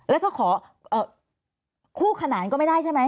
แล้วถ้าขอคู่ขนานก็ไม่ได้ใช่ไหม